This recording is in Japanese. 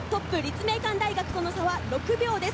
トップ立命館大学、その差は６秒です。